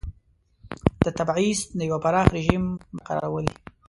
د تبعیض د یوه پراخ رژیم برقرارول دي.